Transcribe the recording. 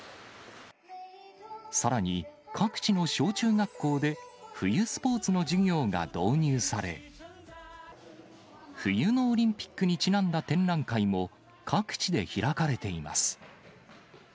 さらに、各地の小中学校で冬スポーツの授業が導入され、冬のオリンピックにちなんだ展覧会も、各地で開かれています。